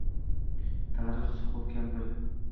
Tarix — soqov kampir